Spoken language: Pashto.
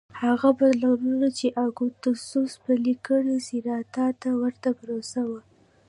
هغه بدلونونه چې اګوستوس پلي کړل سېراتا ته ورته پروسه وه